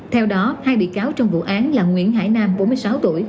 theo đó hai bị cáo trong vụ án là nguyễn hải nam bốn mươi sáu tuổi